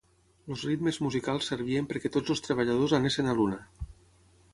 Els ritmes musicals servien perquè tots els treballadors anessin a l'una